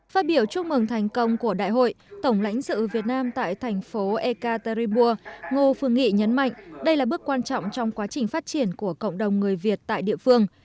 phát biểu chúc mừng thành công của đại hội tổng lãnh sự việt nam tại thành phố ekaterinburg ngô phương nghị nhấn mạnh đây là bước quan trọng trong quá trình phát triển của cộng đồng người việt tại địa phương